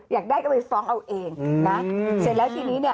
อยากได้ก็ไปฟ้องเอาเองนะเสร็จแล้วทีนี้เนี่ย